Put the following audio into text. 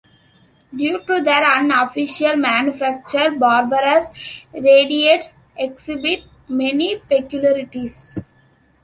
Due to their unofficial manufacture, barbarous radiates exhibit many peculiarities.